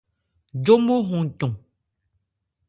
Jómo hɔn cɔn.